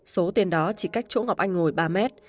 số tiền đó chỉ cách chỗ ngọc anh ngồi ba mét